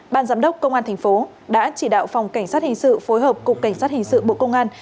ban giám đốc công an thành phố đã chỉ đạo phòng cảnh sát hình sự phối hợp cục cảnh sát hình sự bộ công an